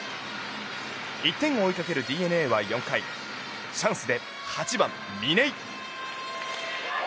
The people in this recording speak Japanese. １点を追いかけるＤｅＮＡは４回チャンスで８番、嶺井。